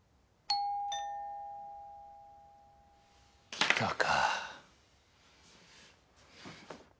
来たか。